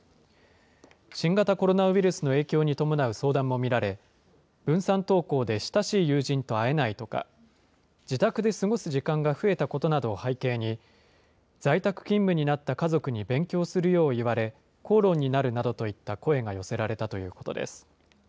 新型コロナウイルスの影響に伴う相談も見られ、分散登校で親しい友人と会えないとか、自宅で過ごす時間が増えたことなどを背景に、在宅勤務になった家族に勉強するよう言われ、口論になるなどといった声が寄せられたということです。